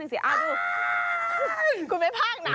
เสียงแมงมากเลยอะ